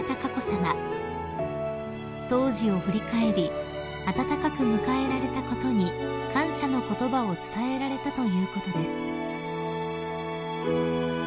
［当時を振り返り温かく迎えられたことに感謝の言葉を伝えられたということです］